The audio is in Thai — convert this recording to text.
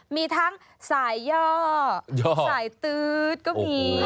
มีทั้งสายย่อสายตื๊ดก็มี